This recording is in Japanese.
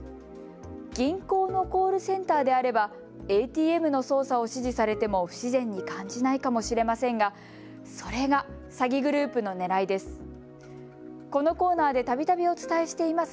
銀行のコールセンターであればＡＴＭの操作を指示されても不自然に感じないかもしれませんがそれが詐欺グループのねらいです。